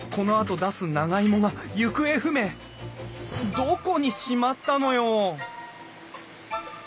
どこにしまったのよ